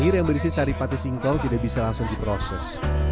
air yang berisi sari pati singkong tidak bisa langsung diproses